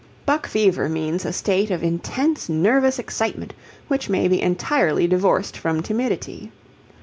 Buck fever means a state of intense nervous excitement which may be entirely divorced from timidity.